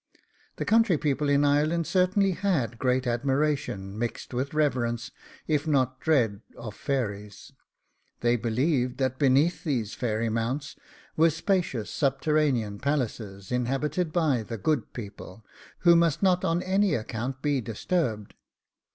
The country people in Ireland certainly HAD great admiration mixed with reverence, if not dread, of fairies. They believed that beneath these fairy mounts were spacious subterraneous palaces, inhabited by THE GOOD PEOPLE, who must not on any account be disturbed.